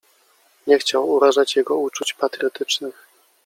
Nie chciał urażać jego uczuć patriotycznych.